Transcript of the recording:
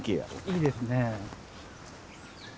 いいですね。